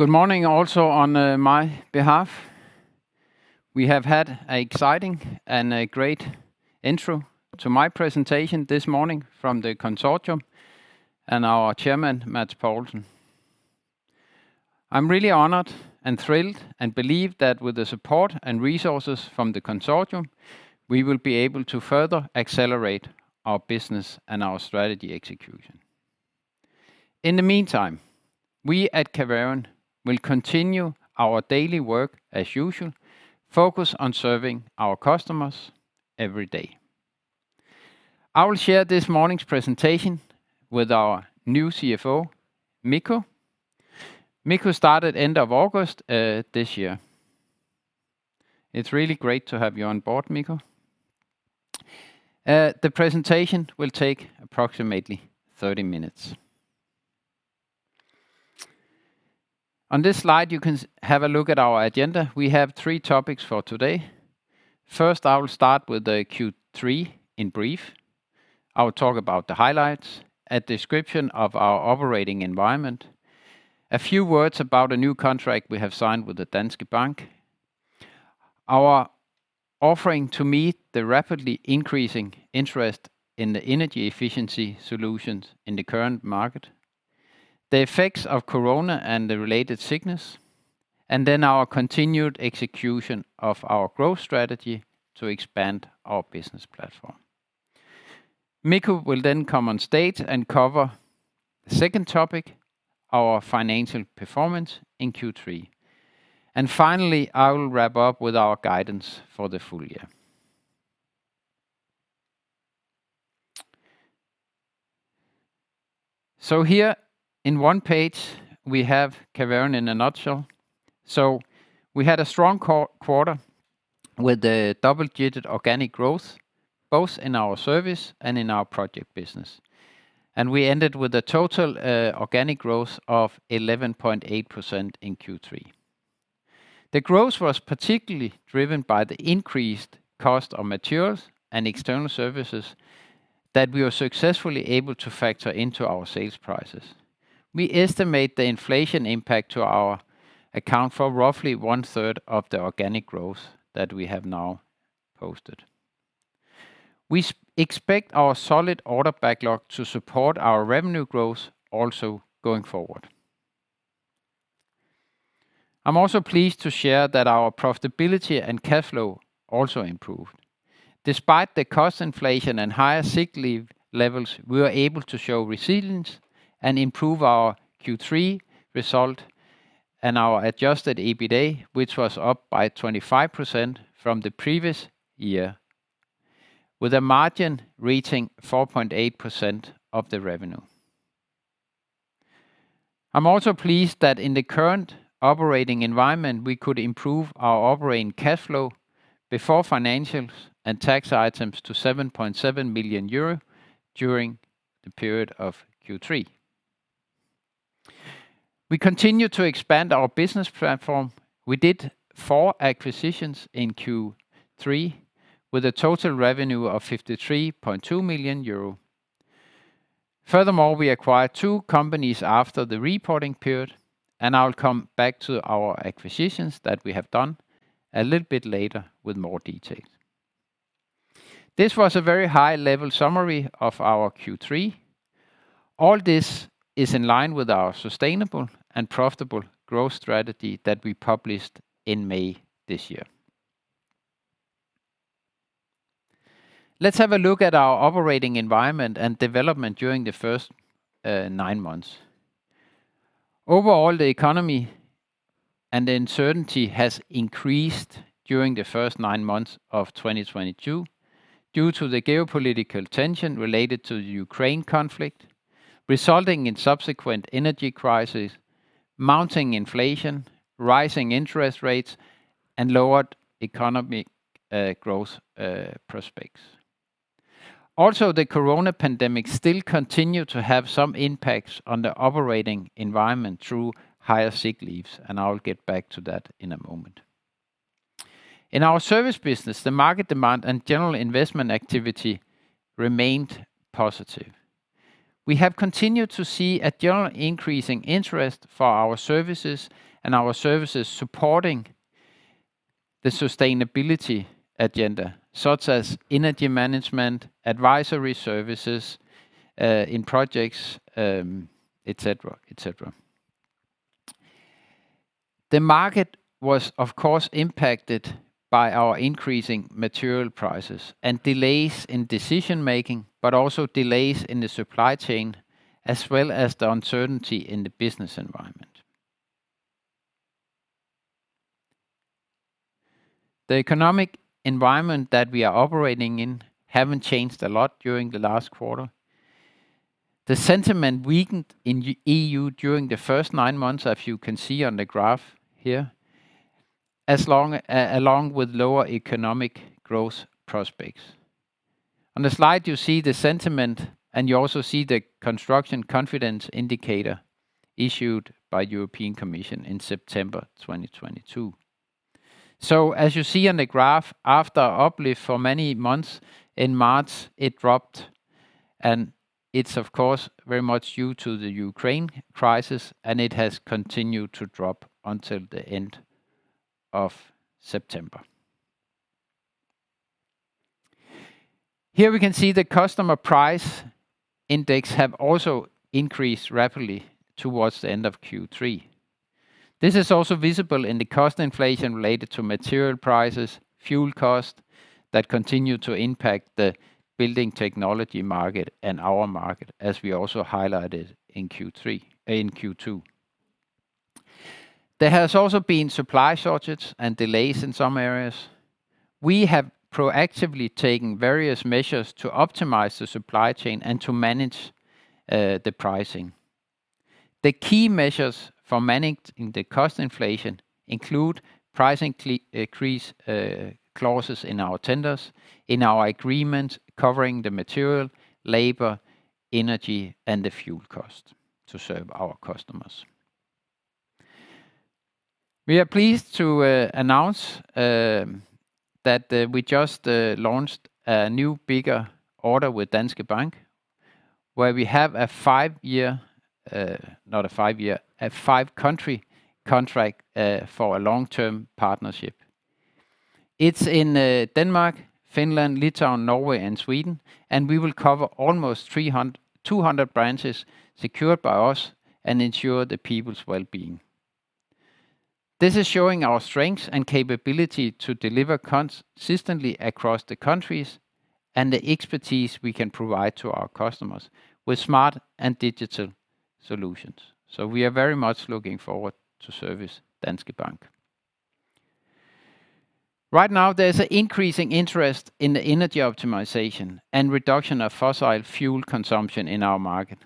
Good morning also on my behalf. We have had a exciting and a great intro to my presentation this morning from the consortium and our chairman, Mats Paulsson. I'm really honored and thrilled, and believe that with the support and resources from the consortium, we will be able to further accelerate our business and our strategy execution. In the meantime, we at Caverion will continue our daily work as usual, focused on serving our customers every day. I will share this morning's presentation with our new CFO, Mikko. Mikko started end of August this year. It's really great to have you on board, Mikko. The presentation will take approximately 30 minutes. On this slide, you can have a look at our agenda. We have three topics for today. First, I will start with the Q3 in brief. I will talk about the highlights, a description of our operating environment, a few words about a new contract we have signed with the Danske Bank, our offering to meet the rapidly increasing interest in the energy efficiency solutions in the current market, the effects of Corona and the related sickness, and then our continued execution of our growth strategy to expand our business platform. Mikko will then come on stage and cover the second topic, our financial performance in Q3. Finally, I will wrap up with our guidance for the full year. Here in one page, we have Caverion in a nutshell. We had a strong quarter with the double-digit organic growth, both in our service and in our project business. We ended with a total organic growth of 11.8% in Q3. The growth was particularly driven by the increased cost of materials and external services that we were successfully able to factor into our sales prices. We estimate the inflation impact to account for roughly one-third of the organic growth that we have now posted. We expect our solid order backlog to support our revenue growth also going forward. I'm also pleased to share that our profitability and cash flow also improved. Despite the cost inflation and higher sick leave levels, we were able to show resilience and improve our Q3 result and our Adjusted EBITA, which was up by 25% from the previous year, with a margin reaching 4.8% of the revenue. I'm also pleased that in the current operating environment, we could improve our operating cash flow before financials and tax items to 7.7 million euro during the period of Q3. We continue to expand our business platform. We did four acquisitions in Q3 with a total revenue of 53.2 million euro. Furthermore, we acquired two companies after the reporting period, and I'll come back to our acquisitions that we have done a little bit later with more details. This was a very high-level summary of our Q3. All this is in line with our sustainable and profitable growth strategy that we published in May this year. Let's have a look at our operating environment and development during the first nine months. Overall, the economy and the uncertainty has increased during the first nine months of 2022 due to the geopolitical tension related to the Ukraine conflict, resulting in subsequent energy crisis, mounting inflation, rising interest rates, and lowered economic growth prospects. Also, the Corona pandemic still continue to have some impacts on the operating environment through higher sick leaves, and I'll get back to that in a moment. In our service business, the market demand and general investment activity remained positive. We have continued to see a general increasing interest for our services and our services supporting the sustainability agenda, such as energy management, advisory services, in projects, et cetera, et cetera. The market was, of course, impacted by our increasing material prices and delays in decision-making, but also delays in the supply chain, as well as the uncertainty in the business environment. The economic environment that we are operating in haven't changed a lot during the last quarter. The sentiment weakened in EU during the first nine months, as you can see on the graph here, along with lower economic growth prospects. On the slide, you see the sentiment, and you also see the construction confidence indicator issued by European Commission in September 2022. As you see on the graph, after uplift for many months, in March it dropped. It's of course, very much due to the Ukraine crisis, and it has continued to drop until the end of September. Here we can see the Consumer Price Index have also increased rapidly towards the end of Q3. This is also visible in the cost inflation related to material prices, fuel costs that continue to impact the building technology market and our market, as we also highlighted in Q2. There has also been supply shortages and delays in some areas. We have proactively taken various measures to optimize the supply chain and to manage the pricing. The key measures for managing the cost inflation include pricing increase clauses in our tenders, in our agreements covering the material, labor, energy and the fuel cost to serve our customers. We are pleased to announce that we just launched a new bigger order with Danske Bank, where we have a five-country contract for a long-term partnership. It's in Denmark, Finland, Lithuania, Norway and Sweden, and we will cover almost 200 branches secured by us and ensure the people's well-being. This is showing our strength and capability to deliver consistently across the countries and the expertise we can provide to our customers with smart and digital solutions. We are very much looking forward to service Danske Bank. Right now, there is an increasing interest in the energy optimization and reduction of fossil fuel consumption in our market.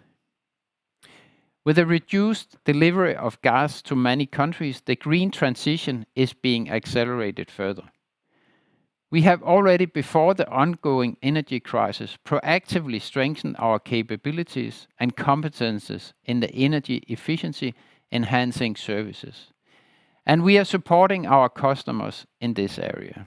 With a reduced delivery of gas to many countries, the green transition is being accelerated further. We have already before the ongoing energy crisis, proactively strengthened our capabilities and competencies in the energy efficiency enhancing services, and we are supporting our customers in this area.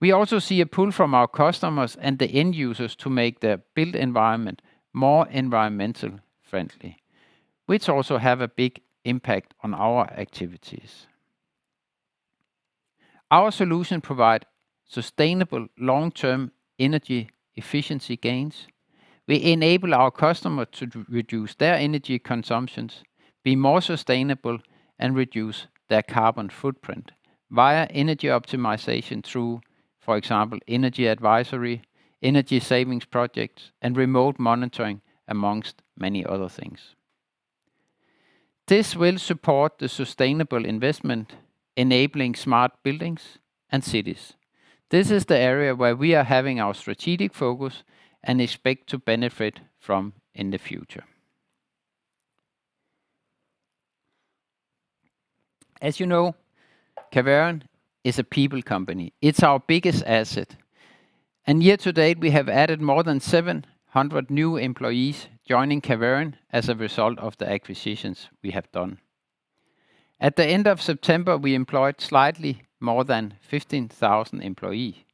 We also see a pull from our customers and the end users to make their built environment more environmentally friendly, which also have a big impact on our activities. Our solutions provide sustainable long-term energy efficiency gains. We enable our customers to reduce their energy consumption, be more sustainable, and reduce their carbon footprint via energy optimization through, for example, energy advisory, energy savings projects and remote monitoring, among many other things. This will support the sustainable investment enabling smart buildings and cities. This is the area where we are having our strategic focus and expect to benefit from in the future. As you know, Caverion is a people company. It's our biggest asset, and year to date, we have added more than 700 new employees joining Caverion as a result of the acquisitions we have done. At the end of September, we employed slightly more than 15,000 employee.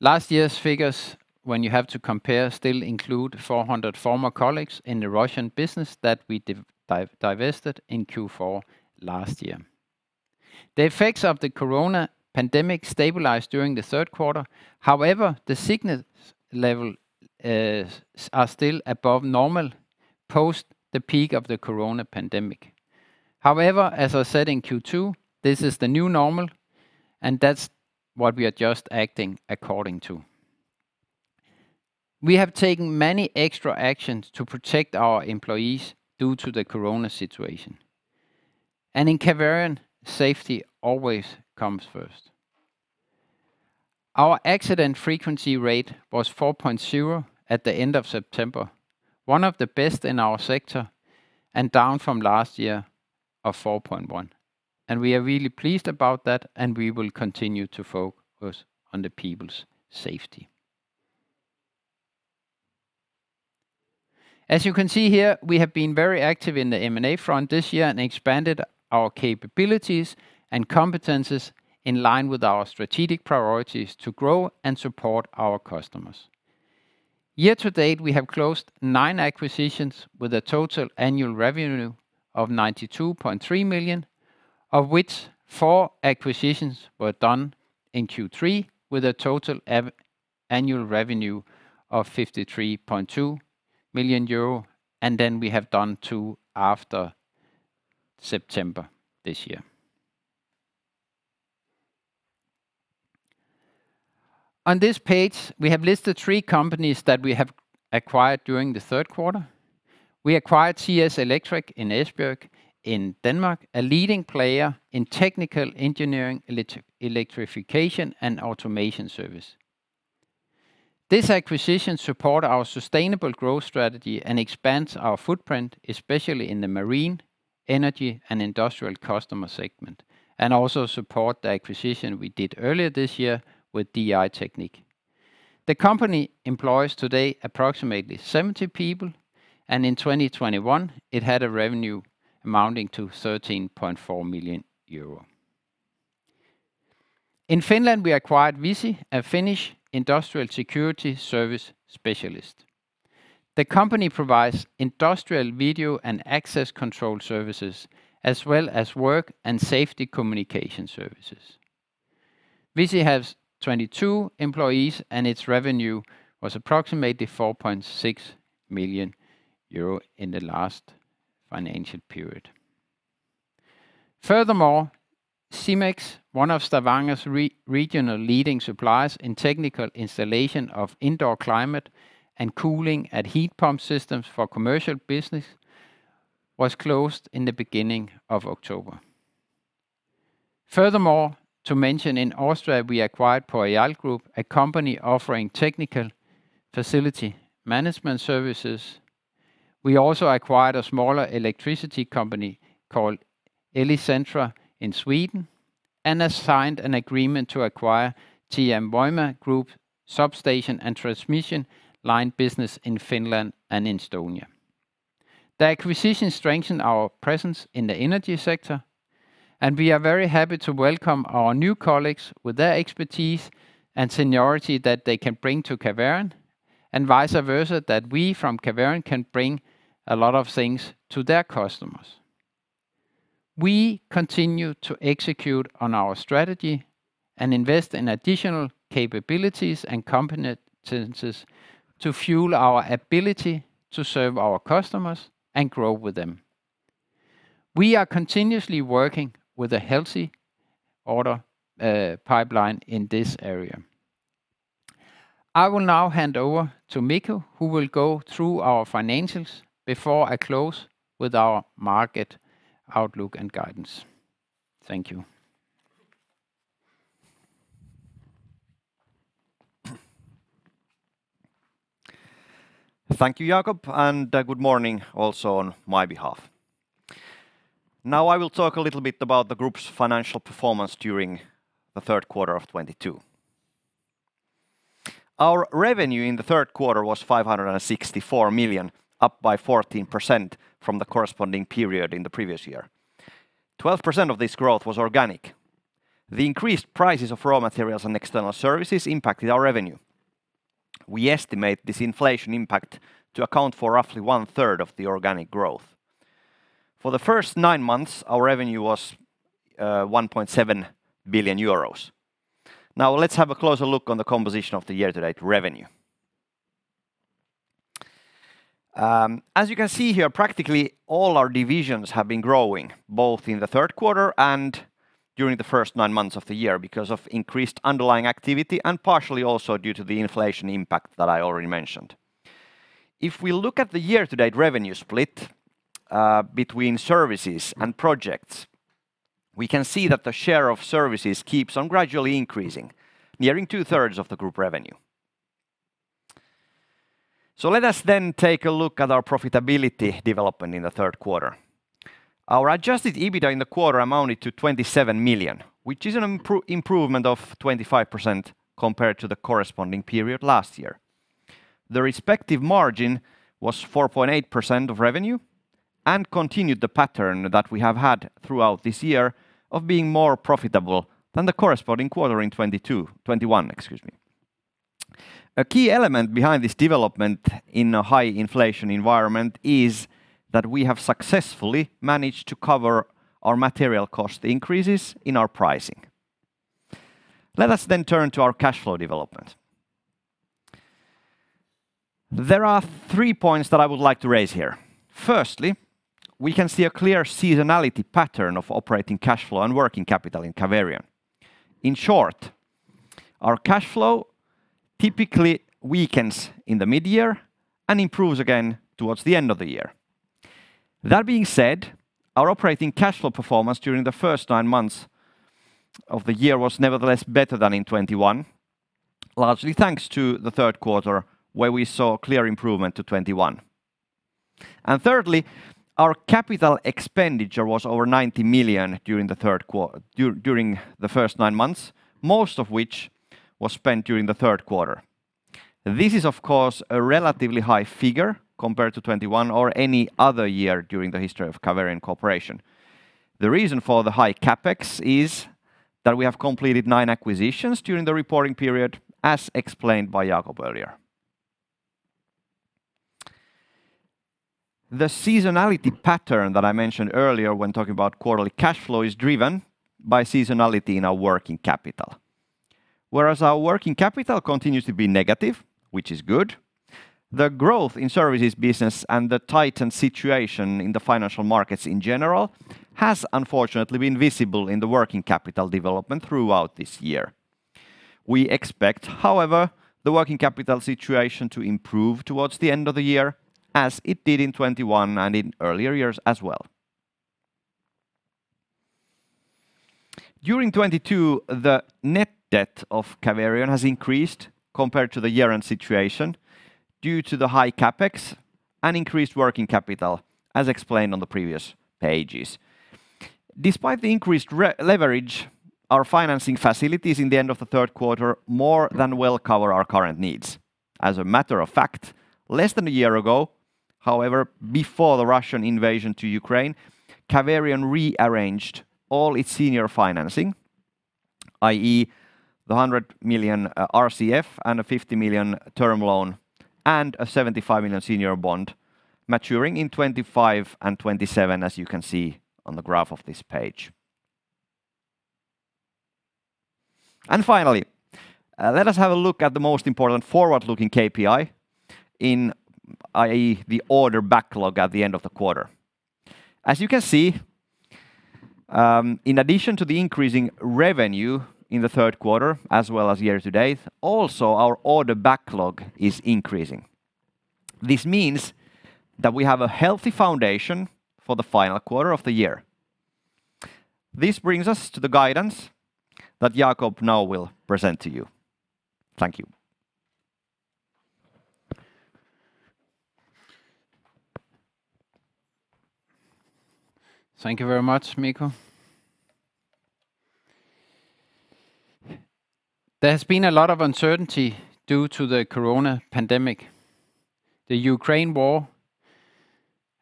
Last year's figures, when you have to compare, still include 400 former colleagues in the Russian business that we divested in Q4 last year. The effects of the Corona pandemic stabilized during the third quarter. However, the sickness level are still above normal, post the peak of the Corona pandemic. However, as I said in Q2, this is the new normal and that's what we are just acting according to. We have taken many extra actions to protect our employees due to the Corona situation. In Caverion, safety always comes first. Our accident frequency rate was 4.0 at the end of September, one of the best in our sector and down from last year of 4.1. We are really pleased about that and we will continue to focus on the people's safety. As you can see here, we have been very active in the M&A front this year and expanded our capabilities and competencies in line with our strategic priorities to grow and support our customers. Year to date, we have closed nine acquisitions with a total annual revenue of 92.3 million, of which four acquisitions were done in Q3 with a total annual revenue of 53.2 million euro. Then we have done two after September this year. On this page, we have listed three companies that we have acquired during the third quarter. We acquired CS electric in Esbjerg in Denmark, a leading player in technical engineering, electrification and automation service. This acquisition support our sustainable growth strategy and expands our footprint, especially in the marine, energy and industrial customer segment, and also support the acquisition we did earlier this year with DI-Teknik. The company employs today approximately 70 people, and in 2021 it had a revenue amounting to 13.4 million euro. In Finland, we acquired Visi, a Finnish industrial security service specialist. The company provides industrial video and access control services, as well as work and safety communication services. Visi has 22 employees, and its revenue was approximately 4.6 million euro in the last financial period. Furthermore, Simex, one of Stavanger's region's leading suppliers in technical installation of indoor climate and cooling and heat pump systems for commercial business, was closed in the beginning of October. Furthermore, to mention in Austria, we acquired PORREAL Group, a company offering technical facility management services. We also acquired a smaller electricity company called Eskilstuna El-Tjänst in Sweden, and has signed an agreement to acquire TM Voima group substation and transmission line business in Finland and in Estonia. The acquisition strengthened our presence in the energy sector, and we are very happy to welcome our new colleagues with their expertise and seniority that they can bring to Caverion, and vice versa, that we from Caverion can bring a lot of things to their customers. We continue to execute on our strategy and invest in additional capabilities and competencies to fuel our ability to serve our customers and grow with them. We are continuously working with a healthy order pipeline in this area. I will now hand over to Mikko, who will go through our financials before I close with our market outlook and guidance. Thank you. Thank you, Jacob, and good morning also on my behalf. Now I will talk a little bit about the group's financial performance during the third quarter of 2022. Our revenue in the third quarter was 564 million, up by 14% from the corresponding period in the previous year. 12% of this growth was organic. The increased prices of raw materials and external services impacted our revenue. We estimate this inflation impact to account for roughly one-third of the organic growth. For the first nine months, our revenue was 1.7 billion euros. Now let's have a closer look on the composition of the year-to-date revenue. As you can see here, practically all our divisions have been growing, both in the third quarter and during the first nine months of the year because of increased underlying activity and partially also due to the inflation impact that I already mentioned. If we look at the year-to-date revenue split between services and projects, we can see that the share of services keeps on gradually increasing, nearing two-thirds of the group revenue. Let us then take a look at our profitability development in the third quarter. Our Adjusted EBITA in the quarter amounted to 27 million, which is an improvement of 25% compared to the corresponding period last year. The respective margin was 4.8% of revenue and continued the pattern that we have had throughout this year of being more profitable than the corresponding quarter in 2021, excuse me. A key element behind this development in a high inflation environment is that we have successfully managed to cover our material cost increases in our pricing. Let us then turn to our cash flow development. There are three points that I would like to raise here. Firstly, we can see a clear seasonality pattern of operating cash flow and working capital in Caverion. In short, our cash flow typically weakens in the mid-year and improves again towards the end of the year. That being said, our operating cash flow performance during the first nine months of the year was nevertheless better than in 2021, largely thanks to the third quarter, where we saw clear improvement to 2021. Thirdly, our capital expenditure was over 90 million during the first nine months, most of which was spent during the third quarter. This is, of course, a relatively high figure compared to 2021 or any other year during the history of Caverion Corporation. The reason for the high CapEx is that we have completed nine acquisitions during the reporting period, as explained by Jacob earlier. The seasonality pattern that I mentioned earlier when talking about quarterly cash flow is driven by seasonality in our working capital. Whereas our working capital continues to be negative, which is good, the growth in services business and the tightened situation in the financial markets in general has unfortunately been visible in the working capital development throughout this year. We expect, however, the working capital situation to improve towards the end of the year, as it did in 2021 and in earlier years as well. During 2022, the net debt of Caverion has increased compared to the year-end situation due to the high CapEx and increased working capital, as explained on the previous pages. Despite the increased re-leverage, our financing facilities at the end of the third quarter more than will cover our current needs. As a matter of fact, less than a year ago, however, before the Russian invasion of Ukraine, Caverion rearranged all its senior financing, i.e., the 100 million RCF and a 50 million term loan and a 75 million senior bond maturing in 2025 and 2027, as you can see on the graph on this page. Finally, let us have a look at the most important forward-looking KPI, i.e., the order backlog at the end of the quarter. As you can see, in addition to the increasing revenue in the third quarter as well as year to date, also our order backlog is increasing. This means that we have a healthy foundation for the final quarter of the year. This brings us to the guidance that Jacob now will present to you. Thank you. Thank you very much, Mikko. There has been a lot of uncertainty due to the Corona pandemic, the Ukraine war,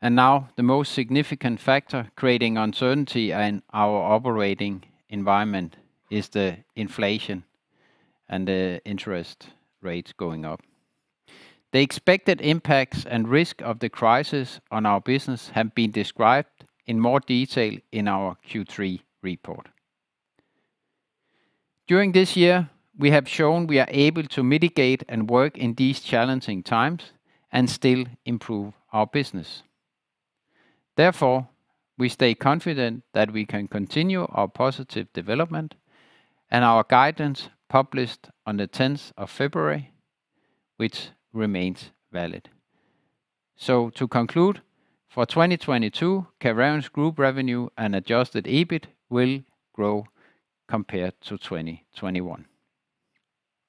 and now the most significant factor creating uncertainty in our operating environment is the inflation and the interest rates going up. The expected impacts and risk of the crisis on our business have been described in more detail in our Q3 report. During this year, we have shown we are able to mitigate and work in these challenging times and still improve our business. Therefore, we stay confident that we can continue our positive development and our guidance published on the 10th of February, which remains valid. To conclude, for 2022, Caverion's group revenue and adjusted EBITA will grow compared to 2021.